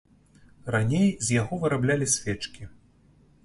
Раней з яго выраблялі свечкі.